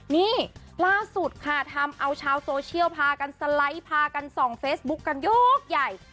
นี่ล่าสุดค่ะทำเอาชาวโซเชียลพากันสไลด์พากันส่องเฟซบุ๊คกันยกใหญ่